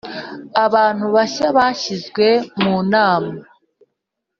Abantu bashya bashyizwe mu Nama.